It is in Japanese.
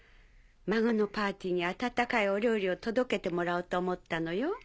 孫のパーティーに温かいお料理を届けてもらおうと思ったのよ。